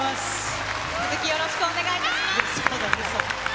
引き続きよろしくお願いしま